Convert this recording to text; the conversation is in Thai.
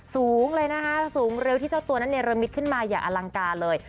สูงเลยนะคะสูงเร็วที่เจ้าตัวนั้นเนรมิตขึ้นมาอย่างอลังการเลย